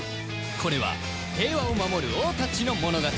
これは平和を守る王たちの物語